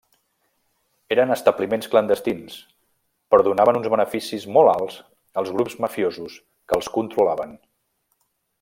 Eren establiments clandestins, però donaven uns beneficis molt alts als grups mafiosos que els controlaven.